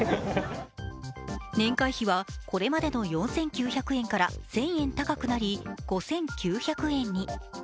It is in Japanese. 年会費は、これまでの４９００円から１０００円高くなり５９００円に。